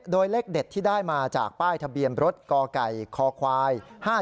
โดยเลขเด็ดที่ได้มาจากป้ายทะเบียนรถกไก่คควาย๕๗